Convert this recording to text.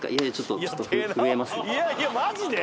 いやいやマジで？